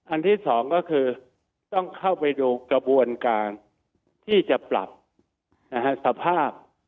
ที่สองก็คือต้องเข้าไปดูกระบวนการที่จะปรับสภาพ